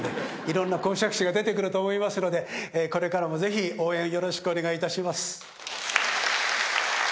いろんな講釈師が出てくると思いますのでこれからも是非応援よろしくお願いいたします。